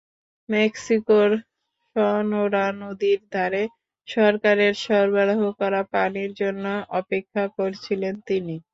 মেক্সিকোর সনোরা নদীর ধারে সরকারের সরবরাহ করা পানির জন্য অপেক্ষা করছিলেন তিনি।